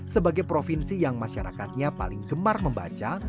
sebagai provinsi yang masyarakatnya paling gemar membaca